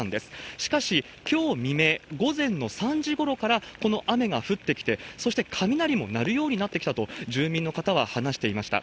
しかし、きょう未明午前の３時ごろからこの雨が降ってきて、そして雷も鳴るようになってきたと、住民の方は話していました。